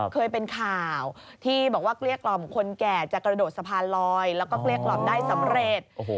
เคยเป็นข่าวที่บอกว่าเกลี้ยกล่อมคนแก่จะกระโดดสะพานลอยแล้วก็เกลี้ยกล่อมได้สำเร็จ